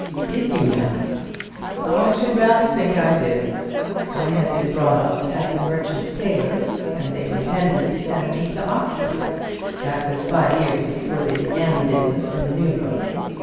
"Did you now?" "I should rather think I did. I had been brought up at the Merchant Taylors' and they intended to send me to Oxford. That was five years before they began the business in the New Road.